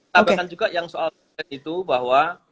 saya akan juga yang soal itu bahwa